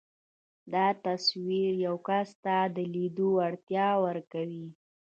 دا تصور يو کس ته د ليدلو وړتيا ورکوي.